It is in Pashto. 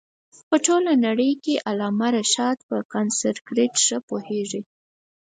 په ټوله نړۍ کښي علامه رشاد په سانسکرېټ ښه پوهيږي.